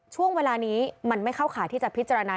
ช่วงเวลานี้มันไม่เข้าข่ายที่จะพิจารณา